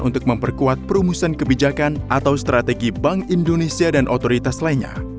untuk memperkuat perumusan kebijakan atau strategi bank indonesia dan otoritas lainnya